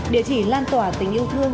địa chỉ lan tỏa tình yêu thương